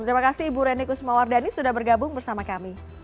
terima kasih ibu reni kusmawardani sudah bergabung bersama kami